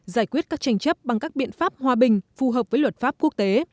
giải quyết các tranh chấp bằng các biện pháp hòa bình phù hợp với luật pháp quốc tế